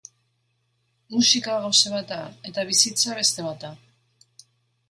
Musika gauza bat da eta bizitza beste bat da.